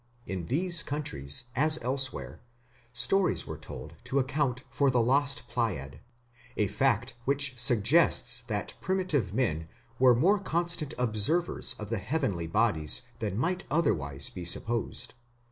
In these countries, as elsewhere, stories were told to account for the "lost Pleiad", a fact which suggests that primitive men were more constant observers of the heavenly bodies than might otherwise be supposed.